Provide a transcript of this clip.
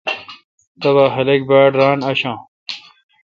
تبا خاق پہ باڑاشان۔